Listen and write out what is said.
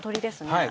はい。